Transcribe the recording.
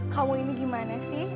kalung ini gimana sih